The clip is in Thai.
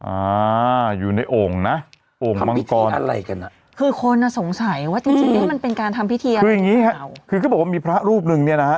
อ่าอยู่ในองค์นะ